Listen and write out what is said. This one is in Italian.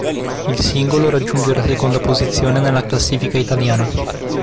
Il singolo raggiunge la seconda posizione nella classifica italiana.